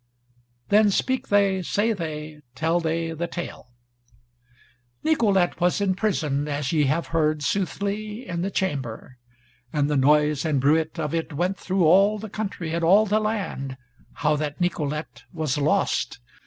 Then speak they, say they, tell they the Tale: Nicolete was in prison, as ye have heard soothly, in the chamber. And the noise and bruit of it went through all the country and all the land, how that Nicolete was lost.